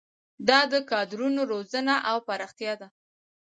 دا د کادرونو روزنه او پراختیا ده.